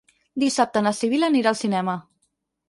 Dissabte na Sibil·la anirà al cinema.